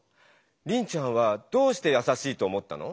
リンちゃんはどうしてやさしいと思ったの？